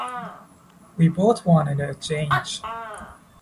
We both wanted a change.